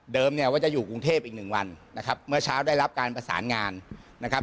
เนี่ยว่าจะอยู่กรุงเทพอีกหนึ่งวันนะครับเมื่อเช้าได้รับการประสานงานนะครับ